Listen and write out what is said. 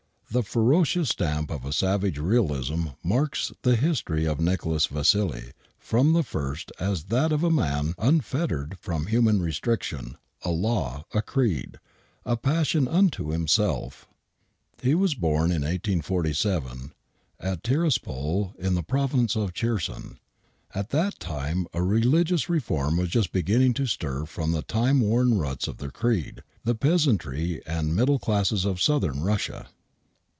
The ferocious stamp of a savage realism marks the history of Nicholas Vassili from the first as that of a man unfettered from human restriction, a law, a creed, a passion unto himself. He was born in 1847, at Tiraspol,, in the Province of Cherson. At that time a religious reform was just beginning to stir from the timeworn ruts of their creed, the peasantry and middle classes of Southern Russia.